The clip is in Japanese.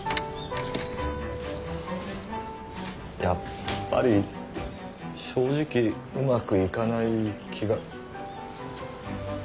やっぱり正直うまくいかない気が。